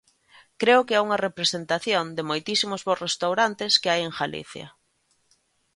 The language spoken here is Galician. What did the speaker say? Creo que é unha representación de moitísimos bos restaurantes que hai en Galicia.